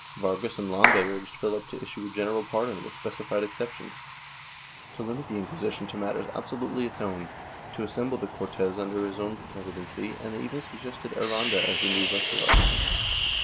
Vargas and Lombay urged Philip to issue a general pardon with specified exceptions, to limit the Inquisition to matters absolutely its own, to assemble the Cortes under his own presidency and they even suggested Aranda as the new viceroy.